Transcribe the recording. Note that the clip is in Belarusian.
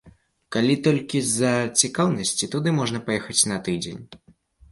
Калі толькі з-за цікаўнасці туды можна паехаць на тыдзень.